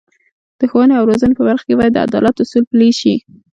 د ښوونې او روزنې په برخه کې باید د عدالت اصول پلي شي.